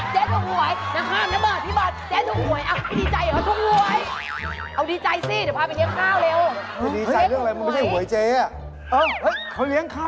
เธอย่าไปอยู่ที่ไหนมา